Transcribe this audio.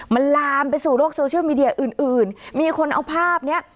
มันลามไปสู่โลกโซเชียลมีเดียอื่นอื่นมีคนเอาภาพเนี้ย